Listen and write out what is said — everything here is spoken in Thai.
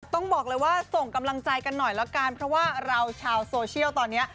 ต้องบอกเลยว่าส่งกำลังใจกันหน่อยแล้วกันเพราะว่าเราชาวโซเชียลตอนนี้